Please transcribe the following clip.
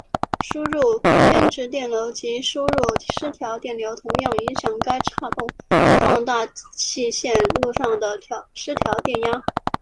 输入偏置电流及输入失调电流同样影响该差动放大器线路上的失调电压。